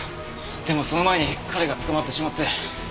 でもその前に彼が捕まってしまって。